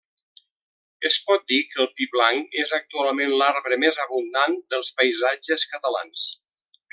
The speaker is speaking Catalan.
Es pot dir que el pi blanc és actualment l'arbre més abundant dels paisatges catalans.